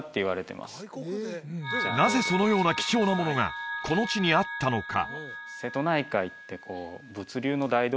なぜそのような貴重なものがこの地にあったのか？